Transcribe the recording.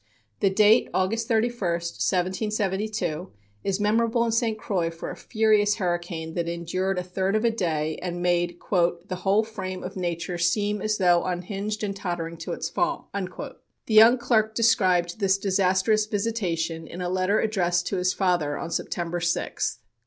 The date, August 31, 1772, is memorable in St. Croix for a furious hurricane that endured a third of a day and made "the whole frame of nature seem as though unhinged and tottering to its fall." The young clerk described this disastrous visitation in a letter addressed to his father on September 6th.